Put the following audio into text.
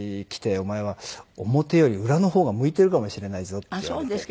お前は表より裏の方が向いてるかもしれないぞ」って言われて。